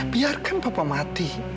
biarkan papa mati